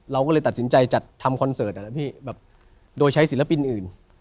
เราก็เลยตัดสินใจจัดทำคอนเสิร์ตโดยใช้ศิลปินอื่น